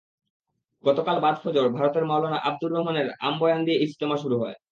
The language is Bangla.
গতকাল বাদ ফজর ভারতের মাওলানা আবদুর রহমানের আমবয়ান দিয়ে ইজতেমা শুরু হয়।